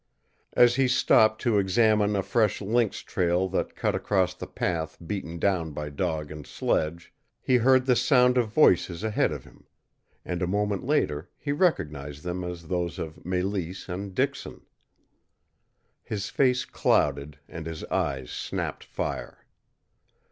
As he stopped to examine a fresh lynx trail that cut across the path beaten down by dog and sledge, he heard the sound of voices ahead of him; and a moment later he recognized them as those of Mélisse and Dixon. His face clouded, and his eyes snapped fire.